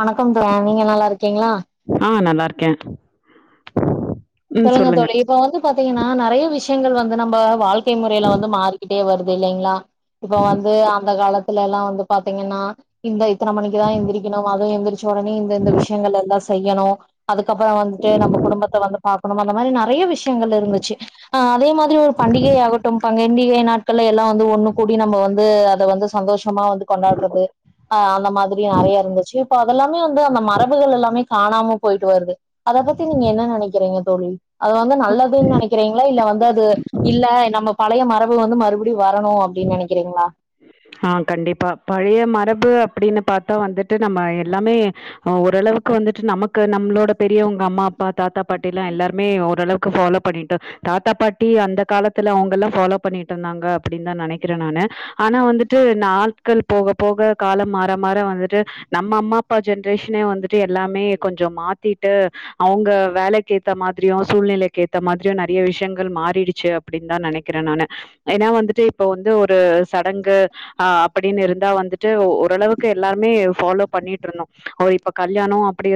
வணக்கம் ப்ரோ நீங்க நல்லாருக்கீங்களா இருக்க சொல்லுங்க தோழி இப்ப வந்து பாத்தீங்கன்னா நெறய விஷ் யங்கள் வந்து நம்ப வாழ் க்கை முறையில வந்து மாரி கிட்டே வருது இல்லைங்ளா இப்ப வந்து அந்த காலத்துலல்லா வந்து பாத்தீங்கன்னா இந்தா இத்தன மணிக்குதா எந்திரிக்கனு அது எந்திரிச் உடனே இந்த இந்த விஷயங்கலல்லா செய்யணு அதுக்கப்றோ வந்துட்டு நம்ம குடும்பத்த வந் அந்த மாறி மாறி நெறயா விஷயங்கள் இருந்துச்சு அதே மாதிரி ஒரு பண்டிகை ஆகட்டும் பண்டிகை நாட்கள்ள எல்லா வந்து ஒன்னு கூடி நம்ம வந்து அத வந்து சந்தோஷமா வந்து கொண்டாடுறது அந்த மாறி நெறயா இருந்துச்சு இப்ப அதல்லாமே வந்து அந்த மரபுகள் எல்லாமே காணாம போய்ட்டு வருது அத பத்தி நீங்க என்ன நெனைக் க்கிறீங்க தோழி அது வந்து நல்லதுனு நெனைக்றீங்ளா இல்ல வந்து அது இல்ல நம்ம பழைய மரபு வந்து மறுபடி வரணு அப்டினு நெனைக்றீங்ளா ஆஹ் கண்டிப்பா பழைய மரபு அப்டினு பாத்தா வந்துட்டு நம்ம எல்லாமே ஓரளவுக்கு வந்துட்டு நமக்கு நம்ளோட பெரியவங்க அம்மா அப்பா தாத்தா பாட்டியெல்லா எல்லாருமே ஓரளவுக்கு ஃபாலோ பண்ணிட் தாத்தா பாட்டி அந்த காலத்துல அவுங்கல்லா ஃபாலோ பண்ணிட்ருந்தாங்க அப்டினு தா நெனைக்குற நானு ஆனா வந் துட்டு நாட்கள் போக போக காலம் மாற மாற வந்துட்டு நம்ம அம்மா அப்பா ஜென்ரேஷ்னே வந்துட்டு எல்லாமே கொஞ்சோ மாத்திட்டு அவுங்க வேலைக்கு ஏத்த மாதிரியு சூழ்நிலைக் ஏத்த மாதிரியு நெறய விஷ்யங்கள் மாறிடுச்சு அப்டினு தா நெனைக்குற நானு ஏனா வந்துட்டு இப்ப வந்து ஒரு சடங்கு அஹ் அப்டினு இருந்தா வந்துட்டு ஒரு அளவுக்கு எல்லாருமே ஃபாலோ பண்ணிட்டு இருந்தோ ஒ இப்ப கல்யாணோ அப்டி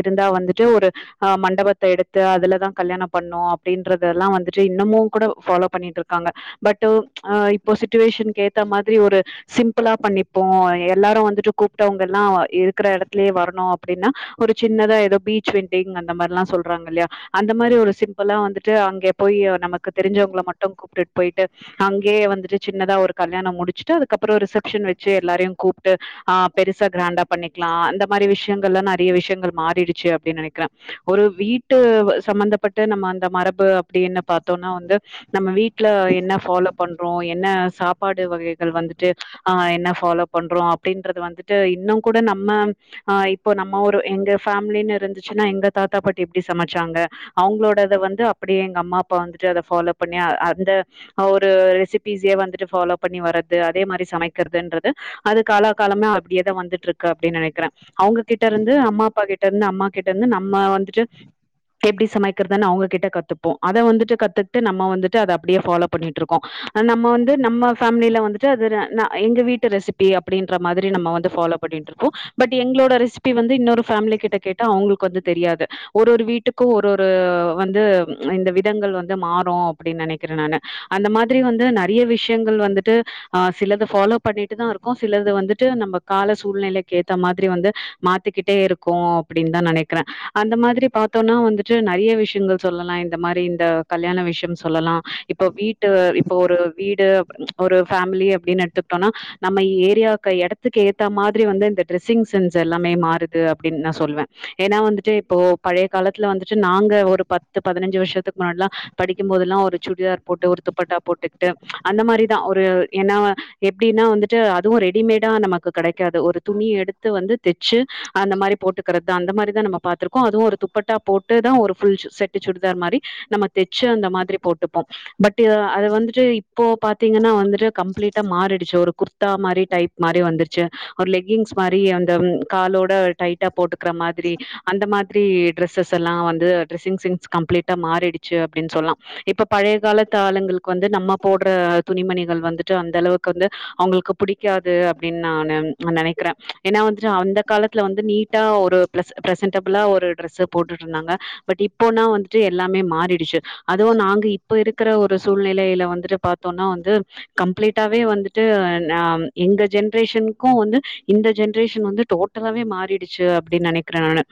இருந்தா வந்துட்டு ஒரு அஹ் மண்டபத்த எடுத்து அதுலதா கல்யாணோ பண்ணோ அப்டின்றதல்லா வந்துட்டு இன்னமு கூட ஃபாலோ பண்ணிட் இருக்காங்க பட் ஆஹ் இப்ப சிட்டிவேஷனுக் ஏத்த மா தி இப்டி ஒரு சிம்பிளா பண்ணிப்போ எல்லாரு வந்துட்டு கூப்ட்டவங்கல்லா இருக்குற எடத்துலயே வரணு அப்டினா ஒரு சின்னதா எதோ பீச் வெட்டிங் அந்த மாறில்லா சொல்றாங்க இல்லயா அந்த மாறி ஒரு சிம்பிளா வந்துட்டு அங்கே போய் நமக்கு தெரிஞ்சவங்கள மட்டூ கூப்ட்டு போய்ட்டு அங்கயே வந்துட்டு சின்னதா ஒரு கல்யாண முடிச் ச்சிட்டு அதுக்கப்பற ரிசப்ஷன் வச்சு எல்லாரையு கூப்ட்டு ஆ பெருசா கிராண்டா பண்ணிக்லா அந்த மாரி விஷ்யங்கள்லா நெறைய விஷ்யங்கள் மாறிடுச்சு அப்டின் நேனைக்கிறே ஒரு வீட்டு சம்மந்தப்பட்ட நம்ம அந்த மரபு அப்டின்னு பாத்தோனா வந்து நம்ம வீட் ட்ல என்ன ஃபாலோ பண்றோ என்ன சாப்பாடு வகை கள் வந்துட்டு ஆ என்ன ஃபாலோ பண்றோ அப்டின்றது வந்துட்டு இன்னு கூட நம்ம ஆ இப்போ நம்ம ஒரு எங்க ஃபேம்லினு இருந்துச்சுனா எங்க தாத்தா பாட்டி எப்டி சமச்சாங்க அவ்ங்களோடத வந்து அப்டியே எங்க அம்மா அப்பா வந்துட்டு அத ஃபாலோ பண்ணி அ அந்த ஒரு ரெசிபிசியே வந்துட்டு ஃபாலோ பண்ணி வரத் ந்து அதே மாரி சமைக்கற்துன்றது அது கால காலமா அப்டியேதா வந்துட்ருக்கு அப்டின் நெனைக்கிறே அவ்ங்ககிட்ட இருந்து அம்மா அப்பா கிட்ட இருந்து அம்மா கிட்ட இருந்து நம்ம வந்துட்டு எப்டி சமைக்கிறதுனு அவ்ங்க கிட்ட கத்துப்போ அத வந்துட்டு கத்துக்ட்டு நம்ம வந்துட்டு அத அப்டியே ஃபாலோ பண்ணிட்ருக்கோ ஆ நம்ம வந்து நம்ம ஃபேம்லில வந்து ட்றதுற நா எங்க வீட்டு ரெசிபி அப்டின்ற மாதிரி நம்ம வந்து ஃபாலோ பண்ணின்ட்ருக்கோ பட் எங்ளோட ரெசிபி வந்து இன்னொரு ஃபேம்லி கிட்ட கேட்டா அவ்ங்களுக்கு வந்து தெரியாது ஒரு ஒரு வீட்டுக்கு ஒரு ஒரு வந்து ம் இந்த விதங்கள் வந்து மாறு அப்டின் நெனைக்கிறே நானு அந்த மாதிரி வந்து நெறைய விஷ்யங்கள் வந்துட்டு ஆ சிலது ஃபாலோ பண்ணிட்டு தா இருக்கோ சிலது வந்துட்டு நம்ம கால சூழ்நிலைக்கு ஏத்த மாதிரி வந்து மாத்திக்கிட்டே இருக்கோ அப்டின் தா நெனைக்கிறே அந்த மாதிரி பாத்தோனா வந்துட்டு நெறைய விஷ்யங்கள் சொல்லலா இந்த மாரி இந்த கல்யாண விஷ்யம் சொல்லலா இப்போ வீட்டு இப்போ ஒரு வீடு ஒரு ஃபேமிலி அப்டின் எடுத்துக்டோனா நம்ம ஏரியாகை எடத்துக்கேத்த மாதிரி வந்து இந்த ட்ரெஸ்ஸிங் சென்ஸ் எல்லாமே மாறுது அப்டின் நா சொல்வே ஏனா வந்துட்டு இப்போ பழைய காலத்துல வந்துட்டு நாங்க ஒரு பத்து பதுனஞ்சு வர்ஷத்துக்கு முன்னாட்லா படிக்கும்போதெல்லா ஒரு சுடிதார் போட்டு ஒரு துப்பட்டா போட்டுக்ட்டு அந்த மாரி தா ஒரு ஏனா எப்டினா வந்துட்டு அதுவு ரெடிமேடா நமக்கு கெடைக் க்காது ஒரு துணி எடுத்து வந்து தெச்சு அந்த மாரி போட்டுக்கிறது அந்த மாரிதா நம்ம பாத்திருக்கோ அதுவு ஒரு துப்பட்டா போட்டுதா ஒரு ஃபுல் சு செட்டு சுடிதார் மாரி நம்ம தெச்சி அந்த மாரி போட்டுப்போ பட்டு அத வந்துட்டு இப்போ பாத் த்தீங்கனா வந்துட்டு கம்ப்ளீட்டா மாறிடுச்சு ஒரு குர்தா மாரி டைப் மாரி வந்துருச்சு ஒரு லெக்கின்ஸ் மாரி அந்த ம் காலோட டைட்டா போட்டுக்கிற மாதிரி அந்த மாதிரி டிரஸ்சஸெல்லா வந்து டிரெஸ்ஸிங் சென்ஸ் கம்ப்ளீட்டா மாறிடுச்சு அப்டின் சொல்லா இப்ப பழைய காலத்து ஆளுங்கள்க்கு வந்து நம்ம போட்ற துணிமணிகள் வந்து ட்டு அந்த அளவுக்கு வந்து அவ்ங்களுக்கு புடிக்காது அப்டின் நா நென் நா நெனைக்கிறே ஏனா வந்துட்டு அந்த காலத்துல வந்து நீட்டா ஒரு பிளஸ் பிரசன்டபுளா ஒரு டிரெஸ்ச போட்டுட்ருந்தாங்க பட் இப்போனா வந்துட்டு எல்லாமே மாறிடுச்சு அதுவு நாங்க இப்ப இருக்கிற ஒரு சூழ்நிலைல வந்துட்டு பாத்தோனா வந்து கம்ப்ளீட்டாவே வந்துட்டு ஆ எங்க ஜெனெற்ஷன்க்கு வந்து இந்த ஜெனெற்ஷன் வந்து டோட்டலாவே மாறிடுச்சி அப்படின்னு நினைக்கிற நானு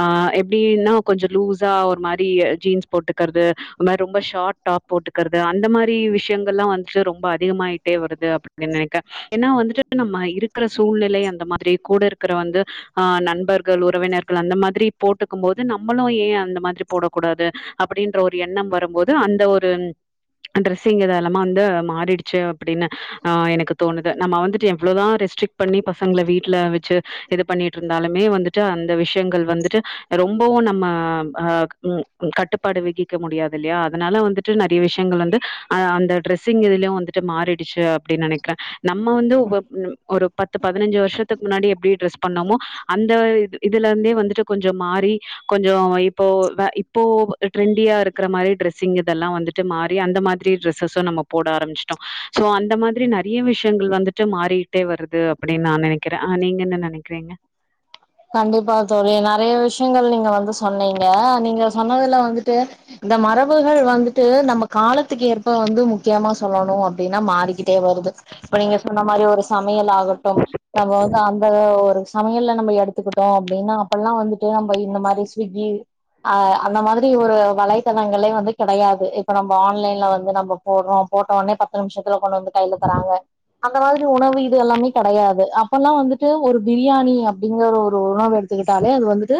ஆ எப்படின்னா கொஞ்ச லூஸா ஒரு மாதிரி ஜீன்ஸ் போட்டுக்கிறது ஒரு மாதிரி ரொம்ப ஷார்ட் டாப் போட்டுக்கிறது அந்த மாதிரி விஷயங்கள் எல்லா வந்துட்டு ரொம்ப அதிகமாயிட்டே வருது அப்படி நினைக்கே ஏன்னா வந்துட்டு நம்ம இருக்கிற சூழ்நிலை அந்த மாதிரி கூட இருக்கிற வந்து ஆ நண்பர்கள் உறவினர்கள் அந்த மாதிரி போட்டுக்கு போது நம்மளு ஏ அந்த மாதிரி போடக்கூடாது அப்படின்ற ஒரு எண்ணம் வரும்போது அந்த ஒரு ட்ரெஸ்ஸிங் இதல்லாம வந்து மாறி ச்சி அப்டின்னு ஆ எனக்கு தோணுது நம்ம வந்துட்டு எவ்வளோதா ரெஸ்ட்ரிக்ட் பண்ணி பசங்களை வீட்டுல வச்சி இது பண்ணிட்டு இருந்தாலுமே வந்துட்டு அந்த விஷயங்கள் வந்துட்டு ரொம்பவு நம்ம ஆ ம் கட்டுப்பாடு விகிக்க முடியாது இல்லையா அதனால வந்துட்டு நெறைய விஷயங்கள் வந்து அ அந்த டிரெஸ்ஸிங் எதுலயு வந்துட்டு ட்டு மாறிடுச்சி அப்டின்னு நெனைக்கிறே நம்ம வந்து ஒரு ம் ஒரு பத்து பதினஞ்சி வருஷத்துக்கு முன்னாடி எப்டி டிரஸ் பண்ணமோ அந்த இ இதுல இருந்தே வந்து கொஞ்சோ மாறி கொஞ்சோ இப்போ வே இப்போ ட்ரெண்டியா இருக்கிற மாரி டிரஸ்ங் இதெல்லா வந்துட்டு மாறி அந்த மாதிரி டிரஸு நம்ம போட ஆரம்பிச்ச சோ அந்த மாதிரி நிறைய விஷயங்கள் வந்துட்டு மாறிக்கிட்டே வருது அப்படின்னு நா நினைக்கிறே ஆ நீங்க என்ன நினைக்கிறீங்க கண்டிப்பா தோழி நறைய விஷயங்கள் நீங்க வந்து சொன்னீங்க நீங்க சொன்னதுல வந்துட்டு இந்த மரபுகள் வந்துட்டு நம்ம காலத்துக்கு ஏற்ப வந்து முக்கியமா சொல்லணும் அப்டின்னா மாறிக்கிட்டே வருது இப்ப நீங்க சொன்ன மாரி ஒரு ச சமையல் ஆகொட்டும் நம்மொ வந் அந்த அ ஒரு சமையல்ல நம்பொ எடுத்த த்துக்கிட்டோ அப்டின்னா அப்பல்லா வந்துட்டு நம்ப இந்த மாரி ஸ்விக்கி அ அந்த மாரி ஒரு வலைத்தளங்களே வந்து கிடையாது இப்ப நம்போ ஆன்லைன்ல வந்து நம்போ போட்ரோ போட்டோனே பத்து நிமிஷத் சீக்கிரோ கொண்டுந்து கையில தராங்க அந்த மாதிரி உணவு இது எல்லாமே கெடையாது அப்பல்லா வந்துட்டு ஒரு பிரியாணி அப்டிங்கற ஒரு உ உணவு எடுத்துக்கிட்டாலே அது வந்துட்டு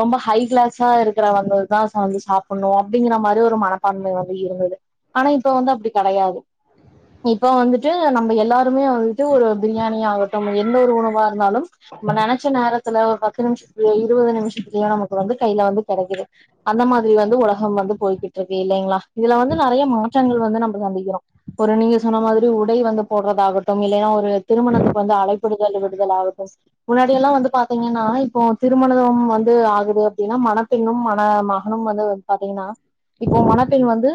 ரொம்ப ஹை கிளாசா இருக்றவங்கதா வந்து சாப்டணு அப்டிங்கற மாதிரி ஒரு மனப்பான்மை வந்து இருந்தது ஆனா இப்ப வந்து அப்டி கெடையாது இப்ப வந்துட்டு நம்ப எல்லாருமே வந்துட்டு ஒரு பிரியாணி ஆகட்டும் எந்த ஒரு உணவா இருந்தாலும் நம்ப நினைச்ச நேரத் தல ஒரு பத்து நிமிஷத்துலையோ இருபது நிமிஷத்துலையோ நமக்கு வந்து கையில வந்து கிடைக்குது அந்த மாதிரி வந்து உலகம் வந்து போயிட்டு இருக்கு இல்லைங்களா இதுல வந்து நிறைய மாற்றங்கள் வந்து நம்ம சந்திக்கிறோ ஒரு நீங்க சொன்ன மாதிரி உடை வந்து போடுறது ஆகட்டு இல்லைன்னா ஒரு திருமணத்துக்கு வந்து அழைப்பிடுதல் விடுதல் ஆகட்டு முன்னாடியெல்லா வந்து பாத் பாத்தீங்கன்னா இப்போ திருமணம் வந்து ஆகுது அப்படின்னா மனப்பெண்ணு மன மகனு வந்து பாத்தீங்கன்னா இப்போ மணப்பெண் வந்து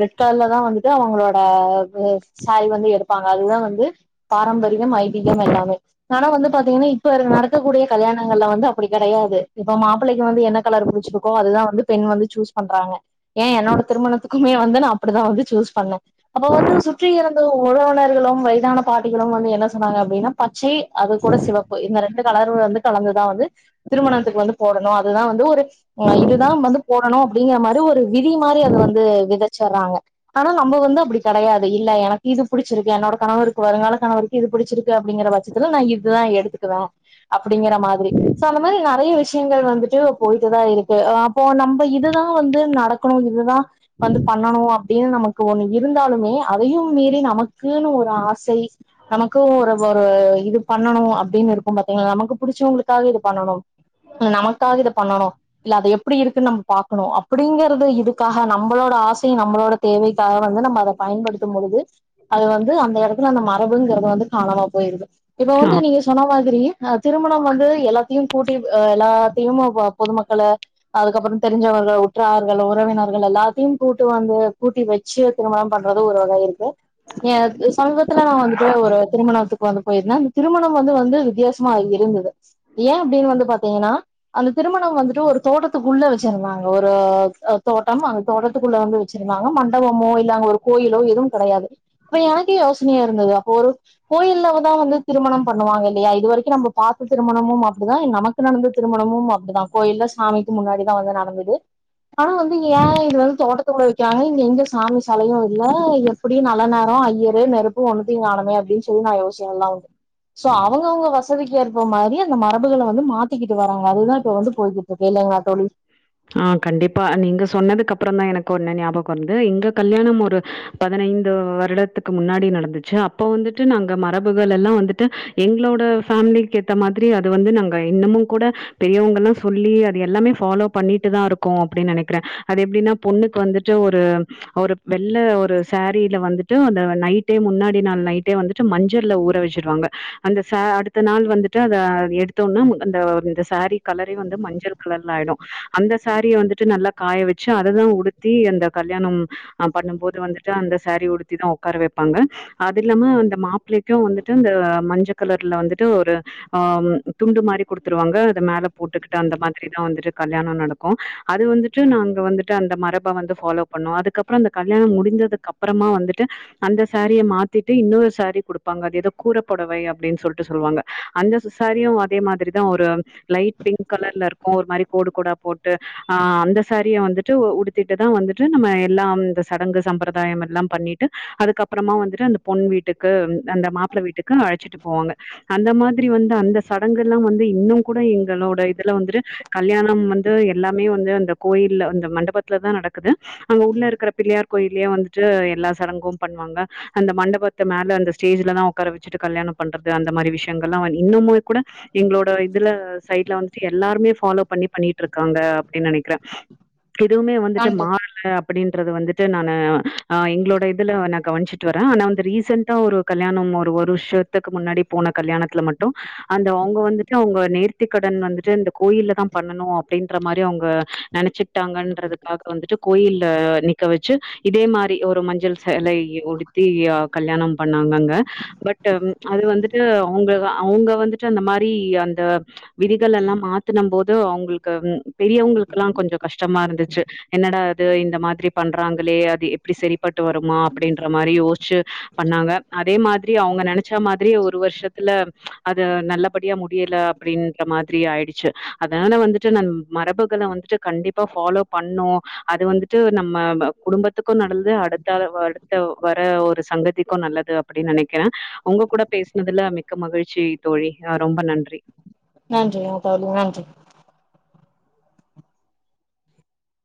ரெட் கலர்ல தா வந்துட்டு அவங்களோட ஆ ஆ சாரி வந்து எடுப்பாங்க அதுதா வந்து பாரம்பரிய ஐதீகம் எல்லாமே ஆன வந்து பாத்தீங்கன்னா இப்ப நடக் க்கக்கூடிய கல்யாணங்கள்ல வந்து அப்டி கெடையாது இப்ப மாப்பிள்ளைக்கு வந்து என்ன கலர் புடிச்சிருக்கோ அதுதா வந்து பெண் வந்து சூஸ் பண்றாங்க ஏன் என்னோட திருமணத்துக்குமே வந்து நா அப்டிதா வந்து சூஸ் பண்ணே அப்ப வந்து சுற்றி இறந்த உறவினர்களும் வயதான பாட்டிகளும் வந்து என்ன சொன்னாங்க அப்டின்னா பச்சை அது கூட சிவப்பு இந்த ரெண்டு கலரு வந்து கலந்துதா வந்து திருமணத்துக்கு வந்து போடணு அதா வந்து ஒரு ஆ இதுதா வந்து போடணு அப்படிங்கிற மாதிரி ஒரு விதி மாரி அது வந்து வித சிர்றாங்க ஆனா நம்ம வந்து அப்படி கெடையாது இல்ல எனக்கு இது புடிச்சிருக்கு என்னோட கணவருக்கு வருங்கால கணவருக்கு இது புடிச்சிருக்கு அப்படிங்கிற பட்சத்துல நா இததா எடுத்துக்குவே அப்படிங்கற மாதிரி சோ அந்த மாரி ந நறைய விஷயங்கள் வந்துட்டு போயிட்டுதா இருக்கு அப்போ நம்ம இதுதா வந்து நடக்கணு இதுதா வந்து பண்ணணு அப் அப்பிடினு நமக்கு ஒண்ணு இருந்தாலுமே அதையும் மீறி நமக்குன்னு ஒரு ஆசை நமக்கும் ஒரு ஒரு இது பண்ணணு அப்படின்னு இரு பாத்தீங்கா நமக்கு புடிச்சவளுக்காக இது பண்ணணும் இ நமக்காக இதை பண்ணணும் இல்ல அதை எப்படி இருக்குன்னு நம்ம பாக்கணு அப்படிங்கறது இதுக்காக நம்மளோட ஆசை நம்மளோட தேவைக்காக வந்து நம்ம அதை பயன்படுத்தும் பொழுது அது வந்து அந்த எடத்து அந்த மரபுங்கறது வந்து காணாமா போயிருது இப்ப வந்து ஆ நீங்க சொன்ன மா யே திருமணம் வந்து எல்லாத்தையும் கூட்டி எல்லாத்தையும் பொதுமக்கள அதுக்கப்புறோ தெரிஞ்சவர் உற்றாரர்கள் உறவினர்கள் எல்லாத்தையு கூட்டு வந்து கூட்டி வச்சு திருமணம் பண்றது ஒரு வகை இருக்கு சமீபத்துல நா வந்துட்டு ஒரு திருமணத்துக்கு வந்து போயிருந்தே திருமணம் வந்து வந்து வித்தியாசமா இருந்தது ஏ அப்படின்னு வந்து பாத்தீங்கன்னா அந்த திருமணம் வந்துட்டு ஒரு தோட்டத்துக்குள்ள வச்சிருந்தாங்க ஒரு தோட்டம் அந்த தோட்டத்துக்குள்ள வந்து வச்சிருந்தாங்க மண்டபமோ இல்லாங்க ஒரு கோயிலோ எதுவு கெடையாது அப்ப எனக்கே யோசனையா இருந்தது அப்போ ஒரு கோயில்லதா வந்து திருமணம் பண்ணுவாங்க இல் இது வரைக்கு நம்ம பாத்த திருமணமும் அப்படிதா நமக்கு நடந்த திருமணமும் அப்படிதா கோயில்ல சாமிக்கு முன்னாடிதா வந்து நடந்தது ஆனா வந்து ஏன் இது வந்து தோட்டத்துக்குள்ள வைக்கிறாங்க எங்க சாமி சலையு இல்ல எப்பிடி நல்ல நேரோ ஐயரு நெருப்பு ஒண்ணுத்துய்யு காணமே அப்படின்னு சொல்லி நா யோசல்லாவுண்டு சோ அவங்கவுங்க வசதிக்கு ஏற்ப மாரி அந்த மரபுகள வந்து மாத்திக்கிட்டு வராங்க அதுதா இப்ப வந்து போயிட்டு இருக்கு இல்லலைங்காளா தோளி ஆ கண்டிப்பா நீங்க சொன்னதுக்கு அப்புற தா எனக்கு ஒன்ன ஞாபகோ வருது இங்க கல்யாணம் ஒரு பதினைந்து வருடத்துக்கு முன்னாடி நடந்துச்சு அப்ப வந்துட்டு நாங்க மரபுகள் எல்லா வந்துட்டு எங்களோட ஃபேமிலி கேத்த மாதிரி அது வந்து நாங்க இன்னமும் கூட பெரியவங்கல்லா சொல்லி அது எல்லாமே ஃபாலோ பண்ணிட்டு தா இருக்கோ அப்படின்னு நெனைக்கிறே அது எப்பிடின்னா பொண்ணுக்கு வந்துட்டு ஒரு ஒரு வெள்ள ஒரு சேரீல வந்துட்டு அந்த நைட்டே முன்னாடி நாள் நைட்டே வந்துட்டு மஞ்சள்ல ஊற வச்சிருவாங்க அந்த ச அடுத்த நாள் வந்துட்டு அதை எடுத்தோம்னா அந்த சேரீ கலரே வந்து மஞ்சள் கலர்ல ஆயிடு அந்த சாரீை வந்துட்டு நல்லா காய வச்சு அததா உடுத்தி அந்த கல்யாணம் பண்ணும் போது வந்துட்டு அந்த சாரீ உடுத்திதா உட்கார வெப்பாங்க அது இல்லாம அந்த மாப்பிள்ளைக்கு வந்துட்டு அந்த மஞ்சள் கலர்ல வந்துட்டு ஒரு ஆ துண்டு மாரி குடுத்துருவாங்க அது மேல போட்டுக்கிட்டு அந்த மாதிரி தா வந்துட்டு க ம் நடக்கு அது வந்துட்டு நாங்க வந்துட்டு அந்த மரப வந்து ஃபாலோ பண்ணோ அதுக்கப்புறோ அந்த கல்யாணம் முடிந்ததுக்கு அப்புறமா வந்துட்டு அந்த சேரிய மாத்திட்டு இன்னொரு சேரி குடுப்பாங்க அது ஏதோ கூர பொடவை அப்பிடினு சொல்லிட்டு சொல்லுவாங்க அந்த சேரியும் அதே மாதிரிதா ஒரு லைட் பிங்க் கலர்ல இருக்கு ஒரு மாரி கோடு கோட போட்டு ஆ அந்த சாரிய வந்துட்டு உத்துட்டுதா வந்துட்டு நம்ம எல்லா இந்த சடங்கு சம்பிரதாயம் எல்லாம் பண்ணிட்டு அதுக்கப்புறமா வந்துட்டு அந்த பொன் வீட்டுக்கு அந்த மாப்பிளை வீட்டுக்கு அழைச்சிட்டு போவாங்க அந்த மாதிரி வந்து அந்த சடங்கு எல்லா வந்து இன்னும் கூட எங்களோட இதுல வந்துட்டு கல்யாணம் வந்து எல்லாமே வந்து அந்த கோயில் அந்த மண்டபத்துல தான் நடக்குது அங்க உள்ள இருக்க பிள்ளையார் கோயிலயே வந்துட்டு எல்லா சடங்கும் பண்ணுவாங்க அந்த மண்டபத்தை மேல அந்த ஸ்டேஜ்லதான் உட்கார வச்சுட்டு கல்யாணம் பண்றது அந்த மாதிரி விஷயங்கள் எல்லாம் இன்னுமே கூட எங்களோட இதுல சைட்ல வந்துட்டு எல்லாருமே ஃபாலோ பண்ணி பண்ணிட்டு இருக்காங்க அப்படின்னு நெனைக்கிறே எதுவுமே வந்துட்டு நன்றி மாறல அப்படின்றது வந்துட்டு நானு ஆ எங்களோட இதுல நா கவனிச்சிட்டு வரே ஆனா வந்து ரீசென்டா ஒரு கல்யாணம் ஒரு வருஷத்துக்கு முன்னாடி போன கல்யாணத்துல மட்டு அந்த அவங்க வந்துட்டு அவங்க நேர்த்திக் கடன் வந்துட்டு இந்த கோயில்ல தா பண்ணணு அப்படின்ற மாரி அவங்க நெனச்சி ட்டாங்கன்றதுக்காக வந்துட்டு கோயில்ல நிக்க வச்சு இதே மாரி ஒரு மஞ்சள் சேலை உடுத்தி கல்யாணம் பண்ணாங்கங்க பட் அது வந்துட்டு அவங்க அவங்க வந்துட்டு அந்த மாரி அந்த ம்ச் விதிகள் எல்லா மாத்தினம் போது அ அவங்களுக்கு பெரியவங்களுக்கெல்லா கொஞ்சு கஷ்டமா இருந்துச்சு என்னடா அது இந்த மாதிரி பண்றாங்களே அது எப்பிடி சரிப்பட்டு வருமா அப்படின்ற மாரி யோசிச்சு பண்ணாங்க அதே மாதிரி அவங்க நெனைச்சா மாதிரி ஒரு வருஷத்துல அது நல்லபடியா முடியல அப்படின்ற மாதிரி ஆயிடுச்சு அதனால வந்துட்டு நான் மரபுகள வந்துட்டு கண்டிப்பா ஃபாலோ பண்ணோ அது வந்துட்டு நம்ம குடும்பத்துக்கு நல்லது அடுத்த அடுத்த வர ஒரு சங்கதிக்கு நல்லது அப்படின்னு நெனைக்கிறே உங்க கூட பேசினதுல மிக்க மகிழ்ச்சி தோழி் ரொம்ப நன்றி நன்றி தோளி நன்றி